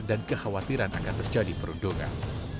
dan kekhawatiran akan terjadi perundungan